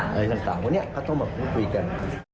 อะไรต่างวันนี้เขาต้องมาพูดคุยกัน